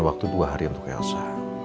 waktu dua hari untuk elsa